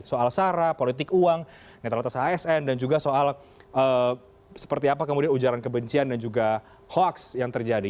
soal sara politik uang netralitas asn dan juga soal seperti apa kemudian ujaran kebencian dan juga hoax yang terjadi